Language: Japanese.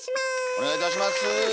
お願いいたします。